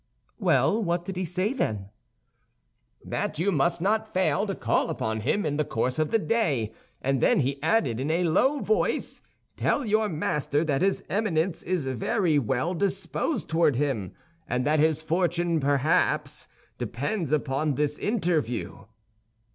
"Well, what did he say then?" "That you must not fail to call upon him in the course of the day; and then he added in a low voice, 'Tell your master that his Eminence is very well disposed toward him, and that his fortune perhaps depends upon this interview.